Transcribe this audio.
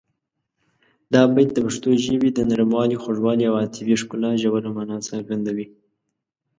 دا بیت د پښتو ژبې د نرموالي، خوږوالي او عاطفي ښکلا ژوره مانا څرګندوي.